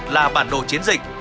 là bản đồ chiến dịch